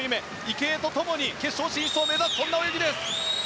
池江と共に決勝進出を目指す泳ぎです。